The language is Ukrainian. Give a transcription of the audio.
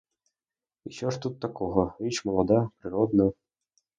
Що ж тут такого: річ молода, природна.